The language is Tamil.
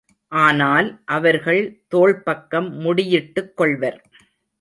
ஆனால் அவர்கள் தோள்பக்கம் முடியிட்டுக்கொள்வர்.